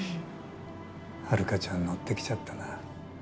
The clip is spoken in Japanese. ハルカちゃんのってきちゃったな。